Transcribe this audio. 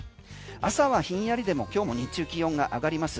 朝はひんやりでも今日も日中、気温が上がります。